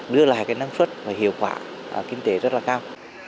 đưa lại năng suất hiệu quả kinh tế rất cao